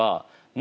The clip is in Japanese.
・何？